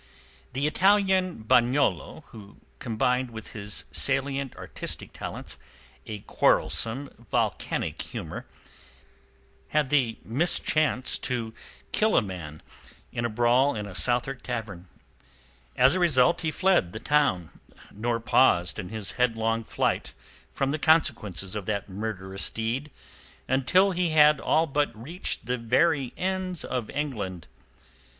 The Italian Bagnolo who combined with his salient artistic talents a quarrelsome, volcanic humour had the mischance to kill a man in a brawl in a Southwark tavern. As a result he fled the town, nor paused in his headlong flight from the consequences of that murderous deed until he had all but reached the very ends of England.